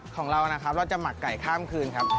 ของเรานะครับเราจะหมักไก่ข้ามคืนครับ